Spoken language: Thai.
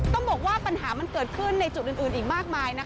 ต้องบอกว่าปัญหามันเกิดขึ้นในจุดอื่นอีกมากมายนะคะ